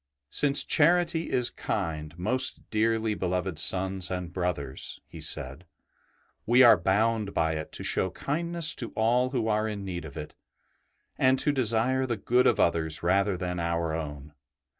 '' Since charity is kind, most dearly beloved sons and brothers," he said, '' we are bound by it to show kindness to all who are in need of it, and to desire the good of others rather than our own.